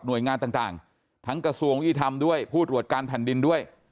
โดยงานต่างทั้งกระทรวงยี่ธรรมด้วยผู้ตรวจการแผ่นดินด้วย